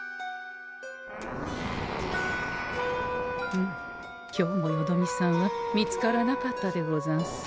ふう今日もよどみさんは見つからなかったでござんす。